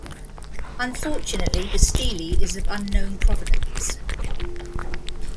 Unfortunately, the stele is of unknown provenance.